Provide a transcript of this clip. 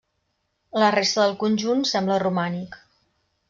La resta del conjunt sembla romànic.